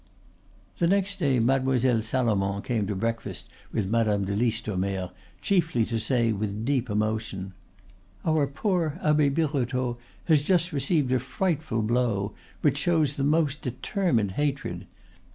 The next day Mademoiselle Salomon came to breakfast with Madame de Listomere, chiefly to say, with deep emotion: "Our poor Abbe Birotteau has just received a frightful blow, which shows the most determined hatred.